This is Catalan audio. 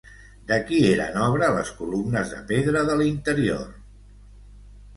De qui eren obra les columnes de pedra de l'interior?